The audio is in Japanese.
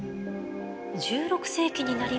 １６世紀になりますと。